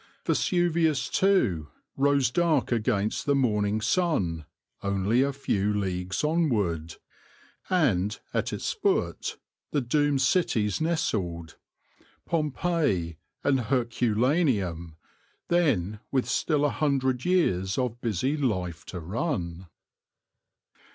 Vesuvius, too, rose dark against the morning sun only a few leagues onward; and, at its foot, the doomed cities nestled, Pompeii and Herculaneum, then with still a hundred years of busy life to run.